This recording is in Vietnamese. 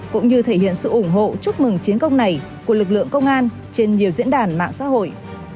cũng như thể hiện sự ủng hộ chúc mừng chiến công này của lực lượng công an trên nhiều diễn đàn mạng xã hội